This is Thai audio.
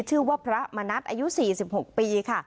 ชื่อว่าพระมณัฐอายุ๔๖ปีค่ะ